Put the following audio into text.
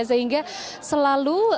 sehingga selalu ada kesaksian